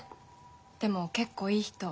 でも結構いい人。